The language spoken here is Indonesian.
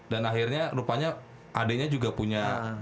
dan akhirnya rupanya adeknya juga punya